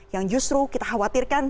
yang justru kita khawatirkan